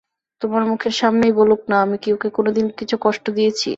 তোমার মুখের সামনেই বলুক-না, আমি কি ওকে কোনোদিন কিছু কষ্ট দিয়েছি।